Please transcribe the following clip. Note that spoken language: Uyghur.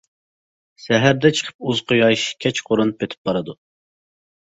سەھەردە چىقىپ ئۇز قۇياش، كەچقۇرۇن پېتىپ بارىدۇ.